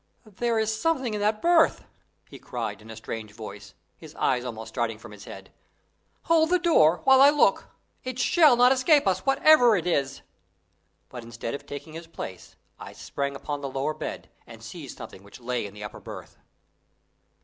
"There is something in that berth!" he cried, in a strange voice, his eyes almost starting from his head. "Hold the door, while I look it shall not escape us, whatever it is!" But instead of taking his place, I sprang upon the lower bed, and seized something which lay in the upper berth.